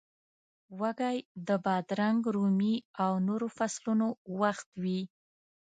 وږی د بادرنګ، رومي او نورو فصلونو وخت وي.